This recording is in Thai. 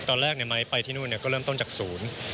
ตอนแรกเนี่ยไปที่นู่นเนี่ยก็เริ่มต้นจากศูนย์